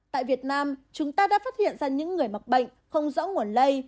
tại việt nam chúng ta đã phát hiện ra những người mắc bệnh không rõ nguồn lây